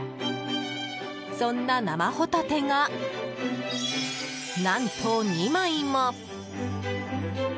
そんな生ホタテが、何と２枚も。